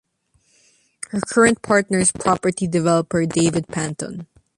Her current partner is property developer David Panton.